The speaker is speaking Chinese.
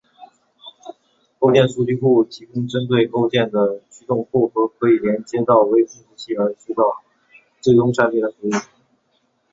构件数据库提供针对构件的驱动库和可以连接到微控制器而建造最终产品的服务。